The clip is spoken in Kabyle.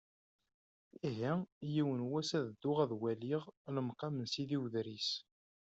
Ihi yiwen wass, ad dduɣ ad waliɣ lemqam n Sidi Udris.